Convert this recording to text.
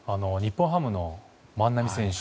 日本ハムの万波選手。